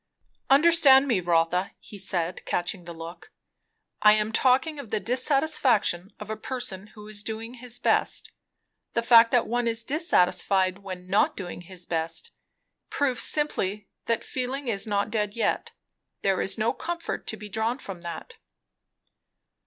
"Understand me, Rotha," he said, catching the look. "I am talking of the dissatisfaction of a person who is doing his best. The fact that one is dissatisfied when not doing his best, proves simply that feeling is not dead yet. There is no comfort to be drawn from that."